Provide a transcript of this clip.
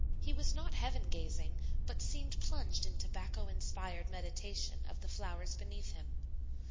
He was not heaven gazing, but seemed plunged in tobacco inspired meditation of the flowers beneath him.